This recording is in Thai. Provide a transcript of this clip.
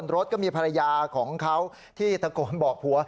รถก็มีภรรยาของเขาที่ตะโกนบอกผัว